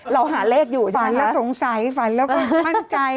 อ๋อเราหาเลขอยู่ใช่ไหมคะฝันแล้วสงสัยฝันแล้วมั่นใจ